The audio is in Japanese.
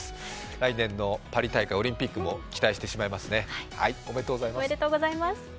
来年のパリ大会、オリンピックも期待してしまいますねおめでとうございます。